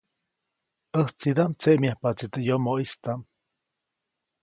ʼÄjtsidaʼm tseʼmyajpaʼtsi teʼ yomoʼistaʼm.